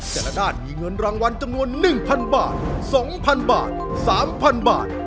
แต่ละด้านมีเงินรางวัลจำนวนหนึ่งพันบาทสองพันบาทสามพันบาท